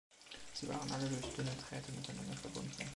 Sie waren alle durch dünne Drähte miteinander verbunden.